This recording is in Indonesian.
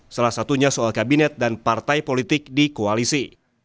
salah satunya soal kabinet dan partai politik di koalisi